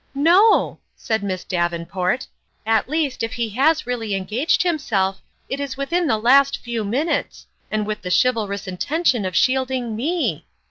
"No!" said Miss Davenport; "at least, if he has really engaged himself, it is within the last few minutes, and with the chivalrous in tention of shielding me